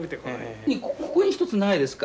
ここに１つないですか？